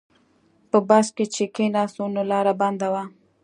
په بس کې چې کیناستو نو لاره بنده وه.